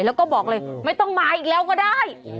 แล้วก็บอกเลยไม่ต้องมาอีกแล้วก็ได้